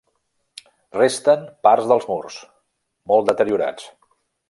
Resten parts dels murs, molt deteriorats.